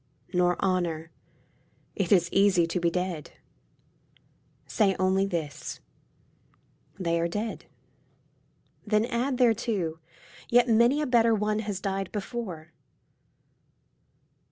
Nor honour. It is easy to be dead. Say only this, " They are dead." Then add thereto, " Yet many a better one has died before."